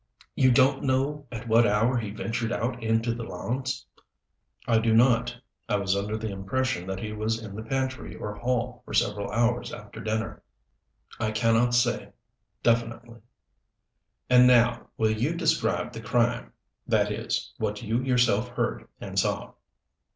"You don't know at what hour he ventured out into the lawns?" "I do not. I was under the impression that he was in the pantry or hall for several hours after dinner. I can not say definitely." "And now will you describe the crime that is, what you yourself heard and saw?"